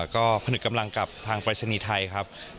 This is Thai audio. ก็ผนึกกำลังกับทางปรายศนีย์ไทยครับ